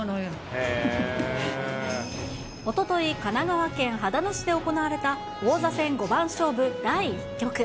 おととい、神奈川県秦野市で行われた王座戦五番勝負第１局。